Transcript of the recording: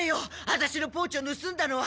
私のポーチを盗んだのは。